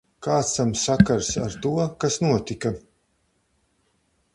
Kāds tam sakars ar to, kas notika?